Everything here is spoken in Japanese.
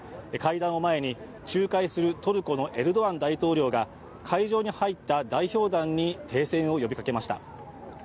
会談を前に、仲介するトルコのエルドアン大統領が会場に入った代表団に停戦を呼びかけました。